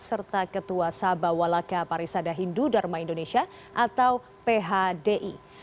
serta ketua sabah walaka parisada hindu dharma indonesia atau phdi